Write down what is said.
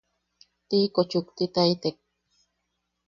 Tiiko chuktitaitek.